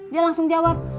dia langsung jawab